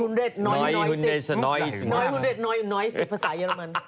น้อย๑๐๐น้อย๑๐ภาษาเยอรมัน